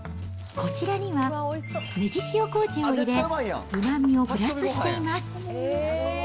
こちらには、ねぎ塩こうじを入れ、うまみをプラスしています。